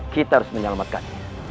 kita harus menyelamatkan